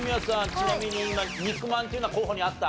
ちなみに今肉まんっていうのは候補にあった？